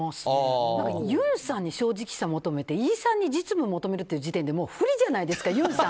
ユンさんに正直さを求めてイさんに実務を求めるって時点でもう不利じゃないですかユンさん。